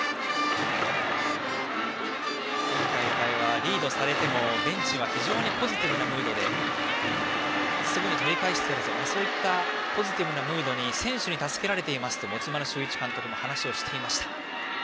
今大会はリードされてもベンチが非常にポジティブなムードですぐに取り返すといったポジティブなムードで選手に助けられていますと持丸修一監督も話をしていました。